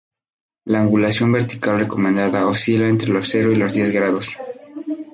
La angulación vertical recomendada oscila entre los cero y los diez grados.